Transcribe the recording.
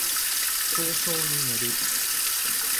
早々に帰る